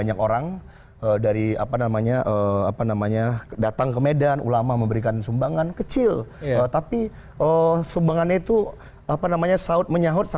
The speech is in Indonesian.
nah jangan dibilang perusahaan